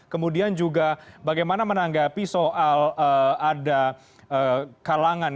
kemudian juga bagaimana menanggapi soal ada kalangan